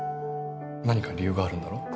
何か理由があるんだろ？